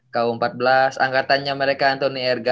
ku empat belas angkatannya mereka anthony erga